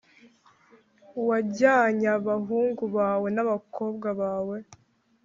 wajyanye abahungu bawe n’abakobwa bawe